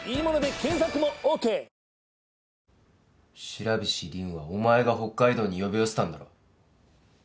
白菱凜はお前が北海道に呼び寄せたんだろ。